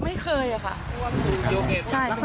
ไม่เคยอะค่ะ